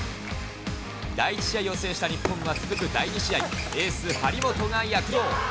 第１試合を制した日本は、続く第２試合、エース、張本が躍動。